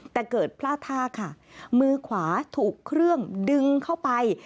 แต่เกิดพลาดท่าค่ะมือขวาถูกเครื่องดึงเข้าไป